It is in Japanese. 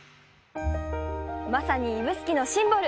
まさに指宿のシンボル！